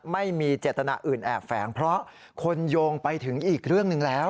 ไม่มีเจตนาอื่นแอบแฝงเพราะคนโยงไปถึงอีกเรื่องหนึ่งแล้ว